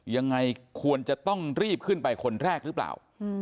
ยังไงควรจะต้องรีบขึ้นไปคนแรกหรือเปล่า